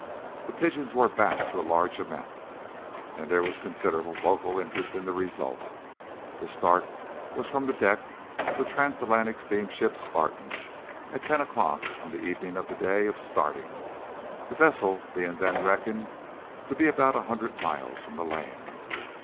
The pigeons were backed to a large amount, and there was considerable local interest in the result. The start was from the deck of the Transatlantic steamship Spartan, at ten o'clock on the evening of the day of starting, the vessel being then reckoned to be about a hundred miles from the land.